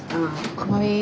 かわいい。